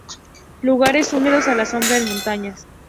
Lugares húmedos, a la sombra en montañas.